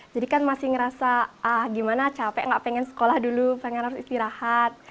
jadi kan masih ngerasa gimana capek nggak pengen sekolah dulu pengen harus istirahat